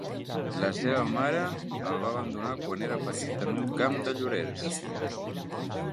La seva mare el va abandonar quan era petit en un camp de llorers.